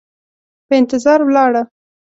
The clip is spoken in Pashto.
په انتظار ولاړه،